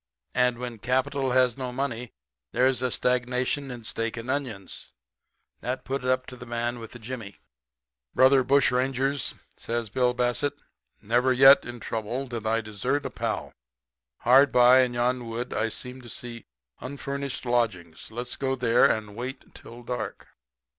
And when capital has no money there's a stagnation in steak and onions. That put it up to the man with the jimmy. "'Brother bushrangers,' says Bill Bassett, 'never yet, in trouble, did I desert a pal. Hard by, in yon wood, I seem to see unfurnished lodgings. Let us go there and wait till dark.'